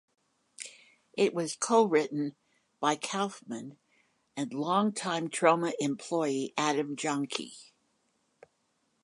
It was co-written by Kaufman and long time Troma employee Adam Jahnke.